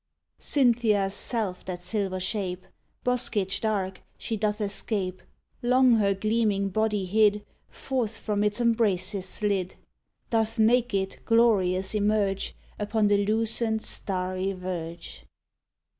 Cynthia's self that silver shape, Boskage dark, she doth escape, Long her gleaming body hid Forth from its embraces slid, Doth naked, glorious, emerge Upon the lucent starry verge.